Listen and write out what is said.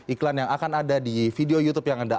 iklan yang akan ada di video youtube yang anda